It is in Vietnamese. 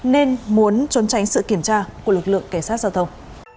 nên muốn trốn tránh sự kiểm tra của lực lượng cảnh sát giao thông